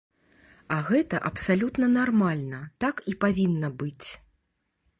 А гэта абсалютна нармальна, так і павінна быць.